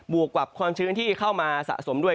วกกับความชื้นที่เข้ามาสะสมด้วย